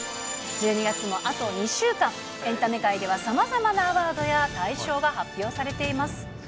１２月もあと２週間、エンタメ界ではさまざまなアワードや大賞が発表されています。